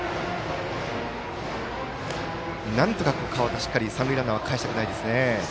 なんとか、川田、三塁ランナーは返したくないですね。